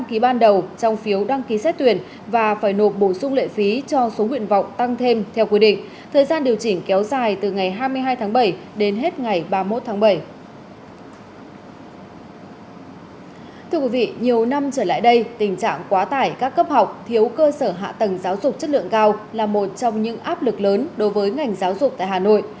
thưa quý vị nhiều năm trở lại đây tình trạng quá tải các cấp học thiếu cơ sở hạ tầng giáo dục chất lượng cao là một trong những áp lực lớn đối với ngành giáo dục tại hà nội